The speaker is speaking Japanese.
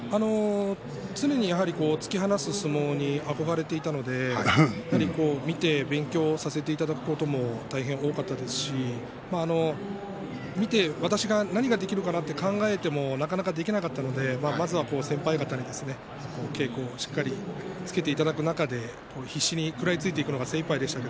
常に突き放す相撲に憧れていたので見て勉強させていただくことも大変、多かったですし何ができるかなと考えてもなかなかできなかったのでまずは先輩方に稽古をしっかりつけていただく中で必死に食らいついていくのが精いっぱいでした。